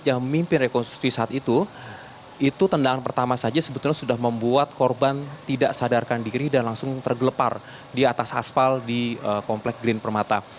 yang memimpin rekonstruksi saat itu itu tendangan pertama saja sebetulnya sudah membuat korban tidak sadarkan diri dan langsung tergelepar di atas aspal di komplek green permata